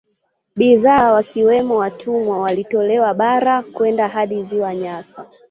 Bidhaa wakiwamo watumwa walitolewa bara kwenda hadi Ziwa Nyasa